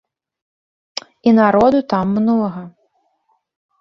І народу там многа.